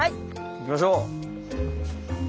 行きましょう！